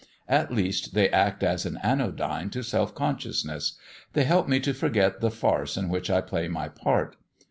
At least they act as an anodyne to self consciousness; they help me to forget the farce in which I play my part.